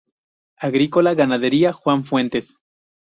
Agrícola Ganadera Juan Fuentes".